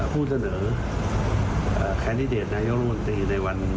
ผู้เสนอแคนดิเดทในยาวรวนตรี